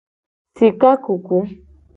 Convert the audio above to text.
Sika kuku.